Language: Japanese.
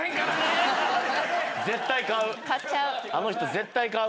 絶対買う。